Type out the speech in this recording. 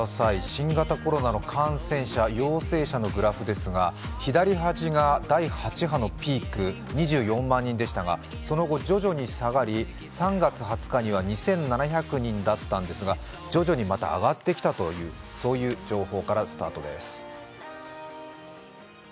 新型コロナの感染者、陽性者のグラフですが左端が第８波のピーク２４万人でしたがその後、徐々に下がり、３月２０日には２７００人だったんですが徐々にまた上がってきたという情報からスタートです。